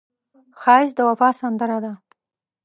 ښایست د وفا سندره ده